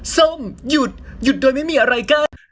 ส้มหยุดหยุดโดยไม่มีอะไรกั้น